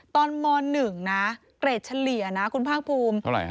ตอนม๑นะเกรดเฉลี่ยนะคุณภาคภูมิ